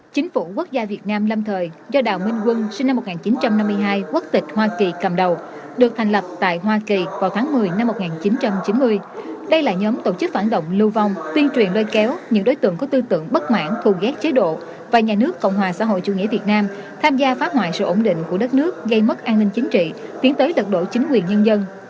chính phủ quốc gia việt nam lâm thời do đào minh quân sinh năm một nghìn chín trăm năm mươi hai quốc tịch hoa kỳ cầm đầu được thành lập tại hoa kỳ vào tháng một mươi năm một nghìn chín trăm chín mươi đây là nhóm tổ chức phản động lưu vong tuyên truyền đôi kéo những đối tượng có tư tượng bất mãn thù ghét chế độ và nhà nước cộng hòa xã hội chủ nghĩa việt nam tham gia phá hoại sự ổn định của đất nước gây mất an ninh chính trị tiến tới lật đổ chính quyền nhân dân